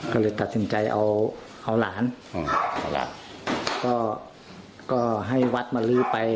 ก็เลยตัดสินใจเอาเอาหลานก็ก็ให้วัดมาลื้อไป